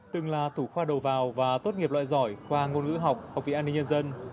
từng là thủ khoa đầu vào và tốt nghiệp loại giỏi khoa ngôn ngữ học học viện an ninh nhân dân